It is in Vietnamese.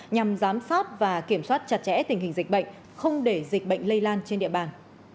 nhằm giám sát và kiểm soát chặt chẽ tình hình dịch bệnh không để dịch bệnh lây lan trên địa bàn